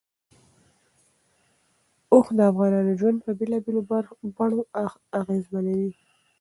اوښ د افغانانو ژوند په بېلابېلو بڼو اغېزمنوي.